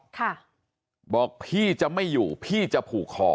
ค่ะบอกพี่จะไม่อยู่พี่จะผูกคอ